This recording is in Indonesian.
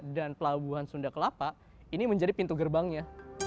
dan pelabuhan sunda kelapa ini menjadi pintu gerbangnya